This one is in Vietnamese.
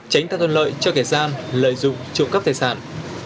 tránh tăng thân lợi cho kẻ gian lợi dụng trụ cấp tài sản